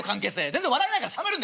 全然笑えないから冷めるんだよ